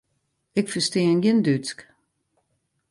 Ik ferstean gjin Dútsk.